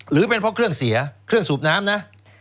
หรือเป็นเพราะเครื่องเสียเครื่องสูบน้ำนะ